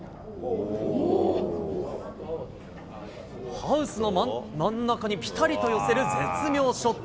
ハウスの真ん中にぴたりと寄せる絶妙ショット。